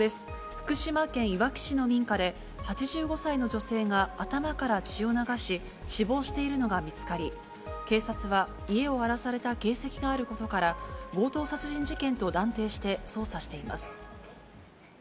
福島県いわき市の民家で、８５歳の女性が頭から血を流し、死亡しているのが見つかり、警察は、家を荒らされた形跡があることから、強盗殺人事件と断定して、捜査しています。